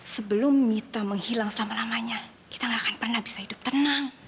sebelum mita menghilang sama namanya kita gak akan pernah bisa hidup tenang